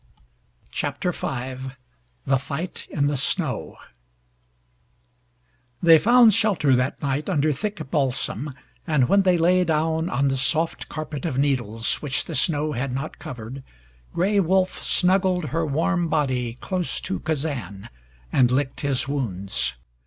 CHAPTER V THE FIGHT IN THE SNOW They found shelter that night under thick balsam, and when they lay down on the soft carpet of needles which the snow had not covered, Gray Wolf snuggled her warm body close to Kazan and licked his wounds.